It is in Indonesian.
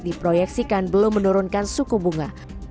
diproyeksikan belum menurunkan suku bunga